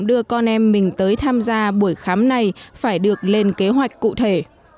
đưa con em mình tới tham gia buổi khám này phải được lên kế hoạch cụ thể